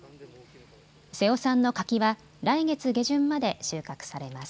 瀬尾さんの柿は来月下旬まで収穫されます。